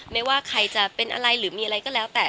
ไม่ว่าใครจะเป็นอะไรหรือมีอะไรก็แล้วแต่